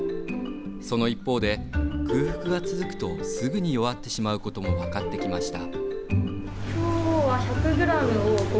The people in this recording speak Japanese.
その一方で、空腹が続くとすぐに弱ってしまうことも分かってきました。